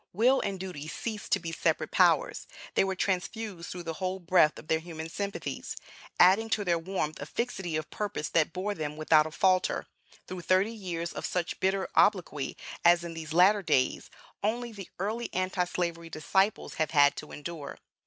Will and Duty ceased to be separate powers; they were transfused through the whole breadth of their human sympathies, adding to their warmth a fixity of purpose that bore them without a falter, through thirty years of such bitter obloquy, as, in these latter days, only the early Anti Slavery disciples have had to endure.